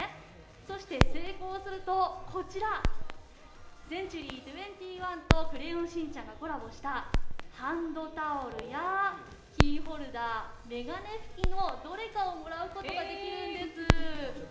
そして、成功するとセンチュリー２１と「クレヨンしんちゃん」がコラボしたハンドタオルや、キーホルダー眼鏡拭きのどれかをもらうことができるんです。